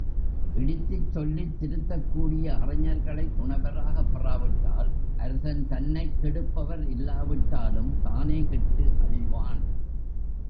இடித்துச் சொல்லித் திருத்தக்கூடிய அறிஞர்களைத் துணைவராகப் பெறாவிட்டால் அரசன் தன்னைக் கெடுப்பவர் இல்லாவிட்டாலும் தானே கெட்டு அழிவான்.